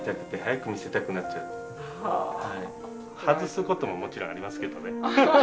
外すことももちろんありますけどね。